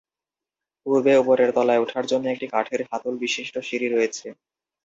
পূর্বে উপরের তলায় উঠার জন্য একটি কাঠের হাতল বিশিষ্ট সিঁড়ি রয়েছে।